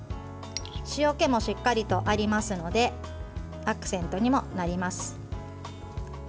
塩気もしっかりとありますのでアクセントにもなります。